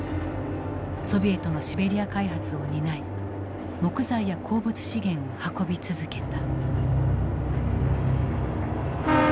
ソビエトのシベリア開発を担い木材や鉱物資源を運び続けた。